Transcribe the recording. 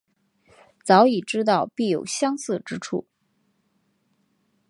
早已知道必有相似之处